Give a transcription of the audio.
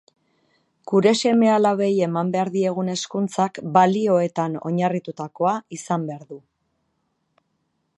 Gure seme-alabei eman behar diegun hezkuntzak balioetan oinarritutakoa izan behar du